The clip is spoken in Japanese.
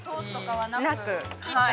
◆はい。